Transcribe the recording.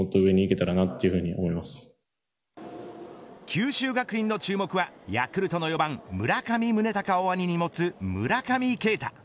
九州学院の注目はヤクルトの４番村上宗隆を兄に持つ村上慶太。